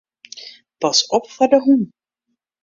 Pas op foar de hûn.